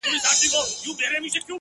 ورته شعرونه وايم;